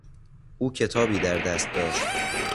او کتابی در دست داشت.